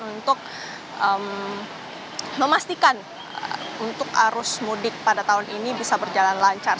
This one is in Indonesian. untuk memastikan untuk arus mudik pada tahun ini bisa berjalan lancar